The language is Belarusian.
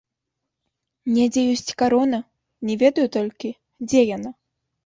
Недзе ёсць карона, не ведаю толькі, дзе яна.